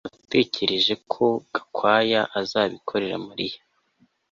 Natekereje ko Gakwaya azabikorera Mariya